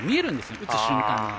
打つ瞬間に。